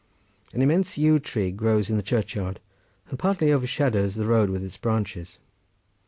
An immense yew tree grows in the churchyard, and partly overshadows the road with its branches.